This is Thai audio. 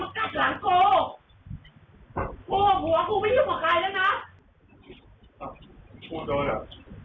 ทุกท่านคุณสะเงียบเดินเข้าบ้านไปกับพ่อพูดเลย